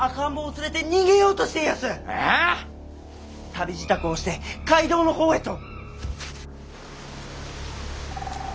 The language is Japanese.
旅支度をして街道のほうへと！